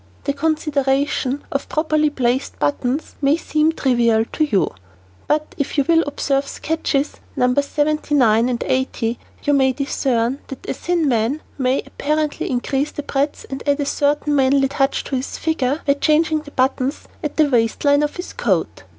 The consideration of properly placed buttons may seem trivial to you, but if you will observe sketches Nos. 79 and 80, you may discern that a thin man may apparently increase his breadth and add a certain manly touch to his figure, by changing the buttons at the waist line of his coat.